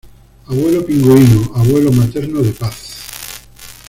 Abuelo Pingüino: Abuelo materno de Paz.